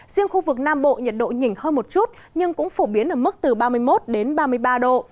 riêng khu vực nam bộ nhiệt độ nhỉnh hơn một chút nhưng cũng phổ biến ở mức từ ba mươi một đến ba mươi ba độ